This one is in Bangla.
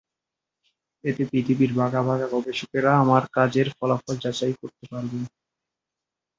এতে পৃথিবীর বাঘা বাঘা গবেষকেরা আমার কাজের ফলাফল যাচাই করতে পারবেন।